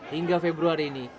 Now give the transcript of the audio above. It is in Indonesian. hingga februari ini